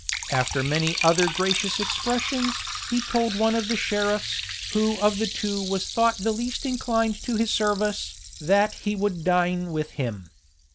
After many other gracious expressions, he told one of the sheriffs, who of the two was thought the least inclined to his service, that he would dine with him.